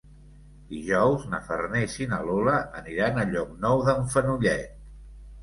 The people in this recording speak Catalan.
Dijous na Farners i na Lola aniran a Llocnou d'en Fenollet.